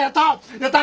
やった！